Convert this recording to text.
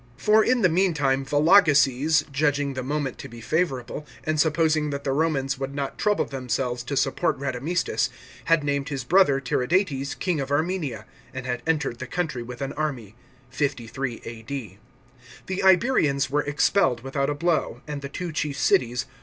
§ 6. For in the meantime Vologeses, judging the moment to be favourable, and supposing that the Romans would not trouble themselves to support Radamistus, had named his brother Tiridates king of Armenia, and had entered the country witb an army * Tacitus. 53, 54 A.D. FLIGHT OF RADAMISTUS. 311 (53 A.D.). The Iberians were expelled without a blow, and the two chief cities.